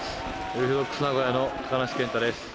ウルフドッグス名古屋の高梨健太です。